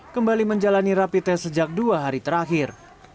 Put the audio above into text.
kembali menjalani rapi tes sejak dua hari terakhir